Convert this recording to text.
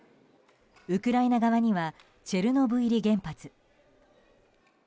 ウクライナ側にはチェルノブイリ原発。